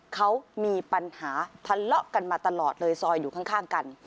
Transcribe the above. เขามีปัญหาทะเลาะกันมาตลอดเลยซอยอยู่ข้างกัน